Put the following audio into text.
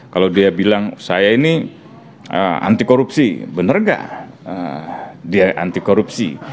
kalau dia bilang saya ini anti korupsi benar gak dia anti korupsi